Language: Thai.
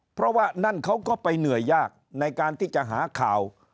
เพราะว่านั่นเขาก็ไปเหนื่อยยากในการที่จะหาข่าว